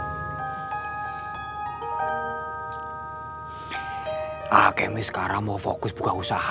a'ah kemi sekarang mau fokus buka usaha